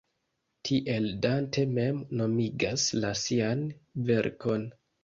Tiel Dante mem nomigas la sian verkon.